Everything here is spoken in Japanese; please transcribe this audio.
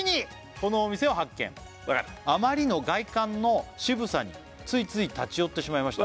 「このお店を発見」わかる「あまりの外観の渋さについつい立ち寄ってしまいました」